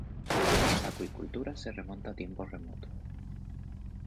La acuicultura se remonta a tiempos remotos.